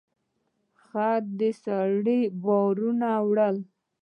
خر د سړي بارونه وړل.